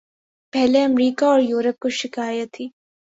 پہلے امریکہ اور یورپ کو شکایت تھی۔